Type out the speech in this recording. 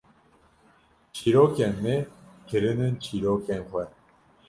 çîrokên me kirinin çîrokên xwe